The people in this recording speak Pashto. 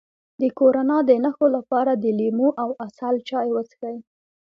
د کرونا د نښو لپاره د لیمو او عسل چای وڅښئ